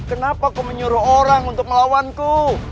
untuk menghabisi orangtuaku